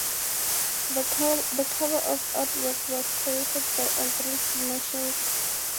The cover artwork was created by Andreas Marschall.